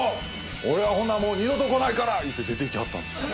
俺はほなもう二度と来ないから」言って出ていきはったんです。